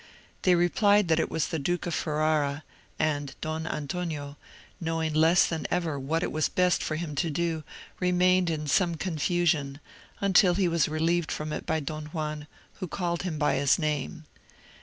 They replied that it was the Duke of Ferrara; and Don Antonio, knowing less than ever what it was best for him to do, remained in some confusion, until he was relieved from it by Don Juan, who called him by his name.